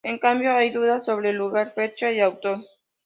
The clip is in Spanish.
En cambio hay dudas sobre el lugar, fecha y autor.